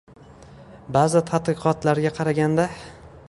Ba’zi tadqiqotlarga qaraganda